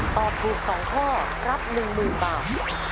ตอบถูก๒ข้อรับ๑๐๐๐บาท